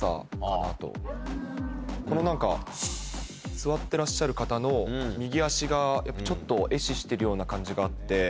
この何か座ってらっしゃる方の右足がちょっと壊死してるような感じがあって。